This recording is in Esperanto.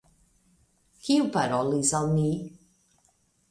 Kiu parolis al mi?